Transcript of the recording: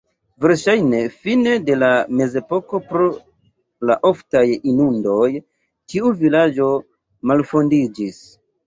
Verŝajne fine de la mezepoko pro la oftaj inundoj tiu vilaĝo malfondiĝis.